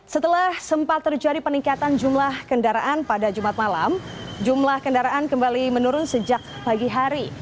setelah sempat terjadi peningkatan jumlah kendaraan pada jumat malam jumlah kendaraan kembali menurun sejak pagi hari